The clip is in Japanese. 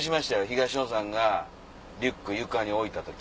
東野さんがリュック床に置いた時。